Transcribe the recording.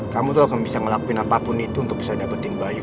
kamu tuh akan bisa ngelakuin apapun itu untuk bisa dapetin baik